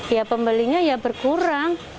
ya pembelinya ya berkurang